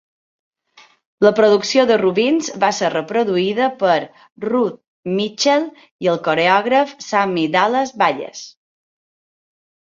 La producció de Robbins va ser reproduïda per Ruth Mitchell i el coreògraf Sammy Dallas Bayes.